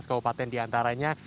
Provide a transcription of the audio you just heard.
enam belas kabupaten diantaranya